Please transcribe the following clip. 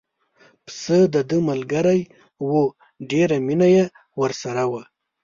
پسه دده ملګری و ډېره مینه یې ورسره وه.